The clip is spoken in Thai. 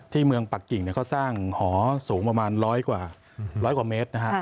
เมืองปักกิ่งเขาสร้างหอสูงประมาณ๑๐๐กว่าเมตรนะฮะ